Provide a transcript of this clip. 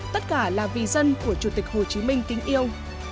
tất cả là vì dân của chủ tịch hồ chí minh kính yêu